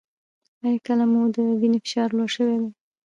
ایا کله مو د وینې فشار لوړ شوی دی؟